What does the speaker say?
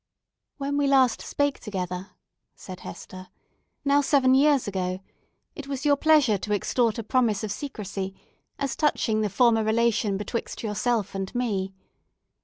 "When we last spake together," said Hester, "now seven years ago, it was your pleasure to extort a promise of secrecy as touching the former relation betwixt yourself and me.